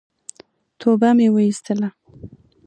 توبه مي واېستله !